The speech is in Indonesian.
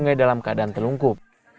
sungai dalam keadaan terlungkup